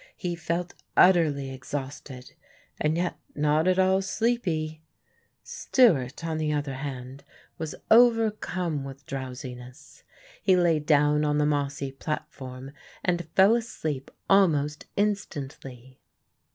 He felt utterly exhausted and yet not at all sleepy. Stewart, on the other hand, was overcome with drowsiness. He lay down on the mossy platform and fell asleep almost instantly.